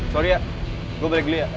sorry ya gue balik dulu ya